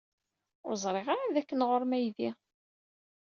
Ur ẓriɣ ara dakken ɣer-m aydi.